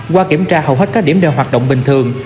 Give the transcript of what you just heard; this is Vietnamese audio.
qua kiểm tra hầu hết các điểm đều hoạt động bình thường